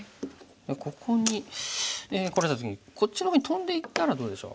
ここに来られた時にこっちの方にトンでいったらどうでしょう。